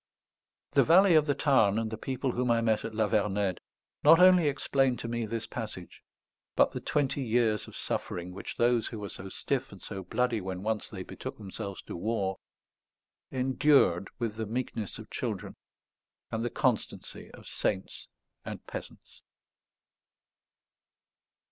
The valley of the Tarn and the people whom I met at La Vernède not only explain to me this passage, but the twenty years of suffering which those, who were so stiff and so bloody when once they betook themselves to war, endured with the meekness of children and the constancy of saints and peasants.